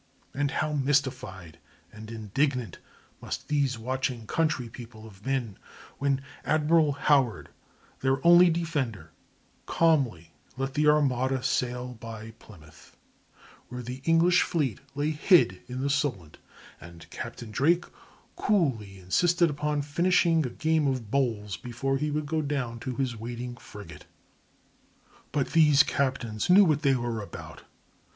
And how mystified and indignant must these watching country people have been when Admiral Howard, their only defender, calmly let the Armada sail by Plymouth, where the English fleet lay hid in the Solent, and Captain Drake coolly insisted upon finishing a game of bowls before he would go down to his waiting frigate. [Illustration: STYLE OF SHIPS IN THE TIME OF THE ARMADA.] But these captains knew what they were about.